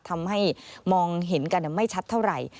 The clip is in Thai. ทำให้มองเห็นกันไม่ชัดเท่าไหร่